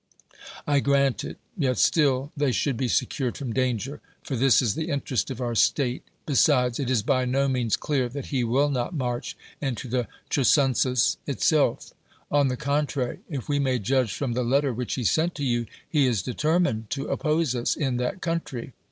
I grant it. Yet still they should be secured from danger; for this is the interest of our state. Besides, it is by no means clear that he will not march into the Chersonesus itself On the contrary, if we may judge from the letter which he sent to you, he is determined to op pose us in that country.